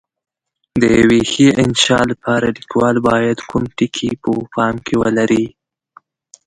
د یوې ښې انشأ لپاره لیکوال باید کوم ټکي په پام کې ولري؟